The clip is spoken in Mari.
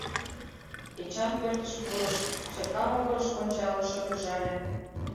Эчан пӧртыш пурыш, шепка могырыш ончалын шыргыжале.